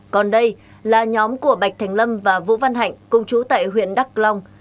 còn đây là nhóm của bạch thành lâm và vũ văn hạnh công chú tại huyện đắk long